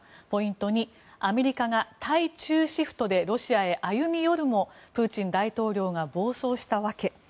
ポイント２、アメリカが対中シフトでロシアへ歩み寄るもプーチン大統領が暴走した訳。